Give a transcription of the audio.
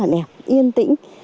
rất là đẹp yên tĩnh